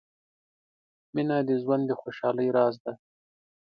• مینه د ژوند د خوشحالۍ راز دی.